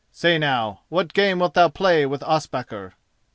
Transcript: Say now, what game wilt thou play with Ospakar?"